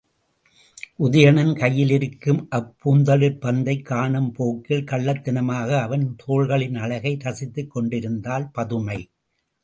உதயணன் கையிலிருக்கும் அப் பூந்தளிர்ப் பந்தைக் காணும் போக்கில் கள்ளத்தனமாக அவன் தோள்களின் அழகை ரசித்துக் கொண்டிருந்தாள் பதுமை.